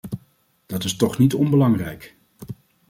Dat is toch niet onbelangrijk.